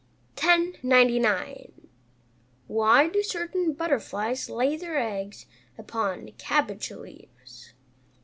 1099. _Why do certain butterflies lay their eggs upon cabbage leaves?